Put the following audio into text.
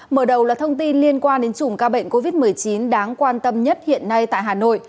mở đầu là thông tin liên quan đến chùm ca bệnh covid một mươi chín đáng quan tâm nhất hiện nay tại hà nội